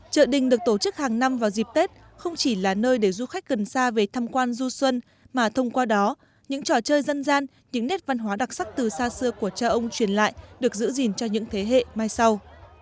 chợ đình được tổ chức hàng năm vào dịp tết không chỉ là nơi để du khách gần xa về thăm quan du xuân mà thông qua đó những trò chơi dân gian những nét văn hóa đặc sắc từ xa xưa của cha ông truyền lại được giữ gìn cho những thế hệ mai sau